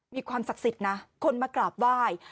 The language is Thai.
มีความศักดิ์สิทธิ์นะคนมากราบไหว้